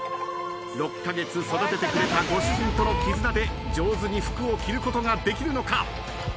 ６カ月育ててくれたご主人との絆で上手に服を着ることができるのか？